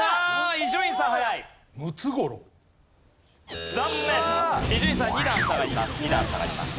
伊集院さん２段下がります。